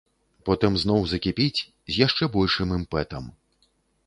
Потым зноў закіпіць з яшчэ большым імпэтам.